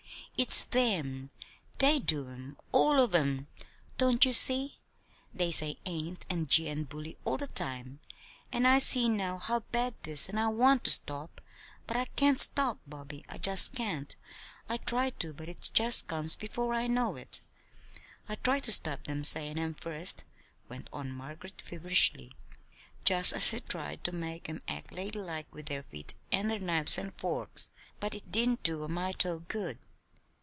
"It's them. They do 'em all of 'em. Don't you see? They say 'ain't' and 'gee' and 'bully' all the time, and I see now how bad 'tis, and I want to stop. But I can't stop, Bobby. I just can't. I try to, but it just comes before I know it. I tried to stop them sayin' 'em, first," went on Margaret, feverishly, "just as I tried to make 'em act ladylike with their feet and their knives and forks; but it didn't do a mite o' good.